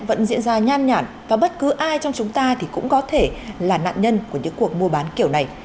vẫn diễn ra nhan nhản và bất cứ ai trong chúng ta thì cũng có thể là nạn nhân của những cuộc mua bán kiểu này